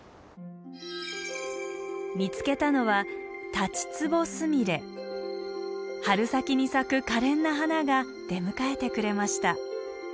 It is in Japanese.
見つけたのは春先に咲くかれんな花が出迎えてくれました。